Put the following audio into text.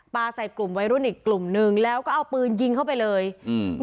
ใส่กลุ่มวัยรุ่นอีกกลุ่มหนึ่งแล้วก็เอาปืนยิงเข้าไปเลยอืม